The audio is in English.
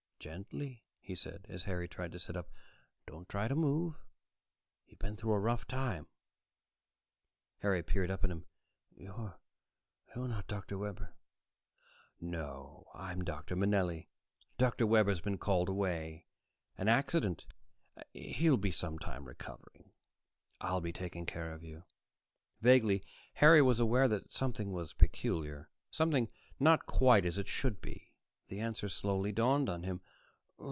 "Gently," he said, as Harry tried to sit up. "Don't try to move. You've been through a rough time." Harry peered up at him. "You're not Dr. Webber." "No. I'm Dr. Manelli. Dr. Webber's been called away an accident. He'll be some time recovering. I'll be taking care of you." Vaguely, Harry was aware that something was peculiar, something not quite as it should be. The answer slowly dawned on him.